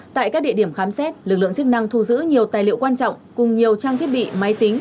tại các địa điểm khám xét lực lượng chức năng thu giữ nhiều tài liệu quan trọng cùng nhiều trang thiết bị máy tính